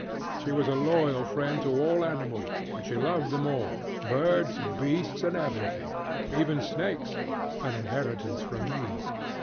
She was a loyal friend to all animals, and she loved them all, birds, beasts, and everythingŌĆöeven snakesŌĆöan inheritance from me.